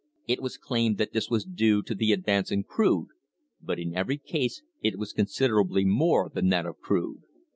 It was claimed that this was due to the advance in crude, but in every case it was considerably more than that of crude.